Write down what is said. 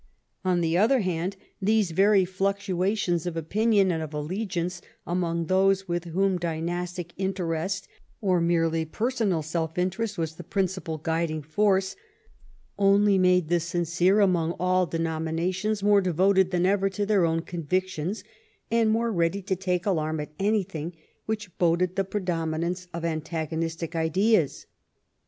On the other hand, these very fluctuations of opinion and of allegiance among those with whom dynastic in terest or merely personal self interest was the principal guiding force, only made the sincere among all denomi nations more devoted than ever to their own convic tions, and more ready to take alarm at anything which boded the predominance of antagonistic ideas.